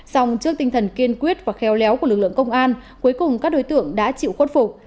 xong trước tinh thần kiên quyết và khéo léo của lực lượng công an cuối cùng các đối tượng đã chịu khuất phục